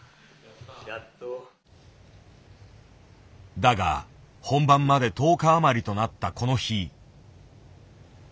だが本番まで１０日余りとなったこの日。